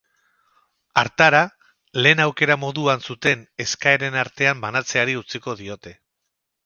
Hartara, lehen aukera moduan zuten eskaeren artean banatzeari utziko diote.